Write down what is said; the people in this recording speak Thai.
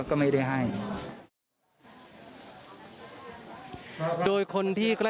และก็มีการกินยาละลายริ่มเลือดแล้วก็ยาละลายขายมันมาเลยตลอดครับ